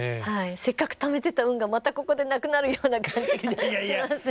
せっかくためてた運がまたここでなくなるような感じがします。